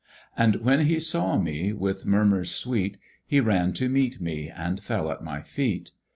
And when he saw me, with murmurs sweet He ran to meet me, and fell at my feet.